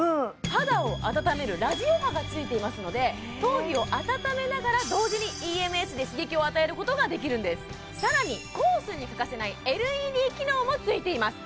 肌を温めるラジオ波がついていますので頭皮を温めながら同時にＥＭＳで刺激を与えることができるんですさらにコースに欠かせないＬＥＤ機能もついています